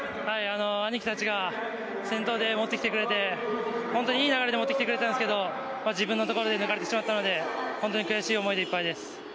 兄貴たちが先頭たちで持ってきてくれて本当にいい流れで持ってきてくれたんですけども自分のところで抜かれてしまったので本当に悔しい思いでいっぱいです。